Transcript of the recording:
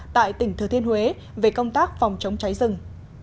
tại tỉnh thừa thiên huế về công tác phòng chống cháy rừng